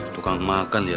tukang makan ya